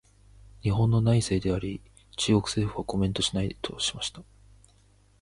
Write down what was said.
「日本の内政であり、中国政府はコメントしない」としました。